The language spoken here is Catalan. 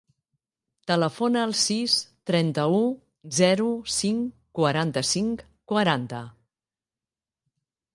Telefona al sis, trenta-u, zero, cinc, quaranta-cinc, quaranta.